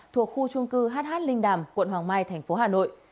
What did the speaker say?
thuộc khu chung cư hh linh đàm quận hoàng mai tp hà nội